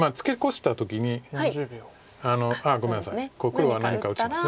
黒は何か打ちます。